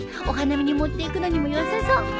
お花見に持っていくのにもよさそう。